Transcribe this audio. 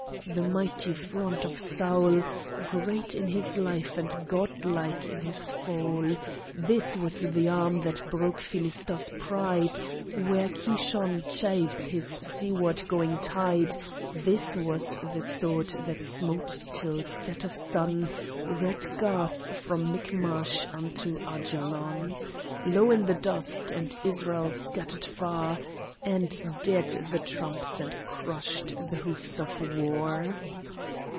The mighty front of Saul, Great in his life and god like in his fall! This was the arm that broke Philistia's pride, Where Kishon chafes his seaward going tide; This was the sword that smote till set of sun Red Gath, from Michmash unto Ajalon, Low in the dust. And Israel scattered far! And dead the trumps and crushed the hoofs of war!